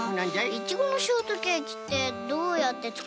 イチゴのショートケーキってどうやってつくるの？